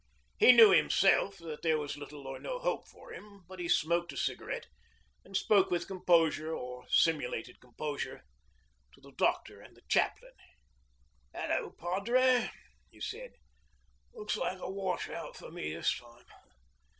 He knew himself that there was little or no hope for him, but he smoked a cigarette and spoke with composure, or simulated composure, to the doctor and the chaplain. 'Hello, padre,' he said, 'looks like a wash out for me this time.